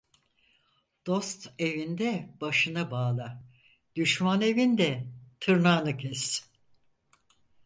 Dost evinde başını bağla, düşman evinde tırnağını kes.